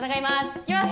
いきます